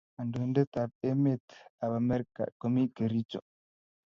kandoindet ab emet ab amerika ko mi kericho